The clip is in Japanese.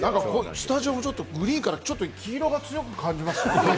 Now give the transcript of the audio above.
スタジオも何かグリーンから黄色を強く感じる。